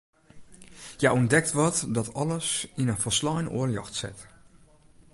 Hja ûntdekt wat dat alles yn in folslein oar ljocht set.